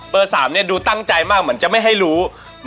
๓เนี่ยดูตั้งใจมากเหมือนจะไม่ให้รู้